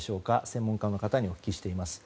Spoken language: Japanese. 専門家の方にお聞きしています。